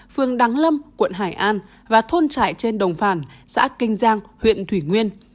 phường đăng lâm quận hải an và thôn trại trên đồng phản xã kinh giang huyện thủy nguyên